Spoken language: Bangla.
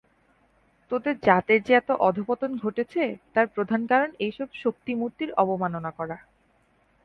তোদের জাতের যে এত অধঃপতন ঘটেছে, তার প্রধান কারণ এইসব শক্তিমূর্তির অবমাননা করা।